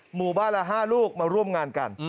หมู่บ้านละ๕ลูกมาร่วมงานกัน